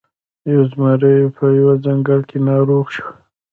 یو زمری په یوه ځنګل کې ناروغ شو.